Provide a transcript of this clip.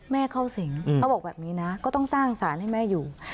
เข้าสิงเขาบอกแบบนี้นะก็ต้องสร้างสารให้แม่อยู่